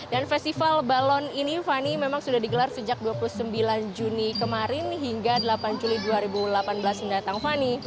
festival balon ini fani memang sudah digelar sejak dua puluh sembilan juni kemarin hingga delapan juli dua ribu delapan belas mendatang fani